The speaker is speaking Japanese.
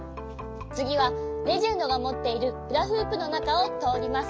つぎはレジェンドがもっているフラフープのなかをとおります。